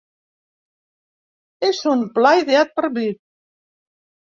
És un pla ideat per mi.